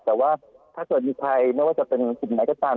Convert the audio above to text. แต่ว่าถ้าส่วนในภัยไม่ว่าจะเป็นขึ้นไหนก็ตาม